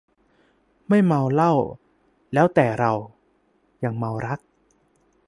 ไม่เมาเหล้า แล้วแต่เรา ยังเมารัก